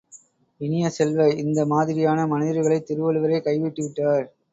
இனிய செல்வ, இந்த மாதிரியான மனிதர்களைத் திருவள்ளுவரே கைவிட்டு விட்டார்.